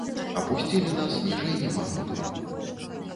Апусцілі нас ніжэй няма куды.